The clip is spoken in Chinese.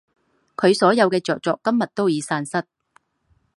他所有的着作今日都已散失。